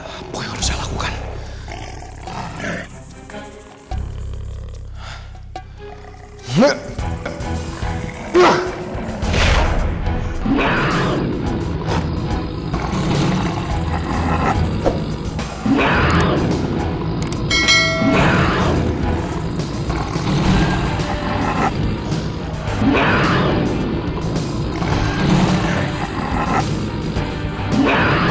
apa yang harus saya lakukan